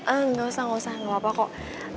ehm gak usah ngusah gak apa apa kok